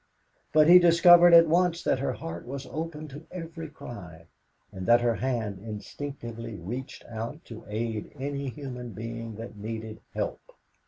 But he discovered at once that her heart was open to every cry, and that her hand instinctively reached out to aid any human being that needed help.